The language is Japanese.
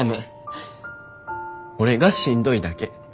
俺がしんどいだけ。